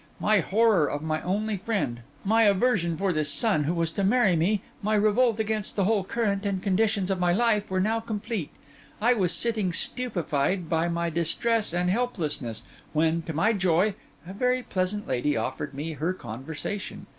My horror of my only friend, my aversion for this son who was to marry me, my revolt against the whole current and conditions of my life, were now complete. I was sitting stupefied by my distress and helplessness, when, to my joy, a very pleasant lady offered me her conversation.